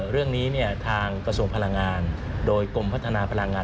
เรื่องนี้ทางกระทรวงพลังงานโดยกรมพัฒนาพลังงาน